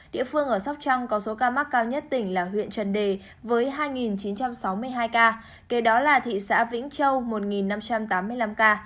địa phương ở sóc trăng có số ca mắc cao nhất tỉnh là huyện trần đề với hai chín trăm sáu mươi hai ca kế đó là thị xã vĩnh châu một năm trăm tám mươi năm ca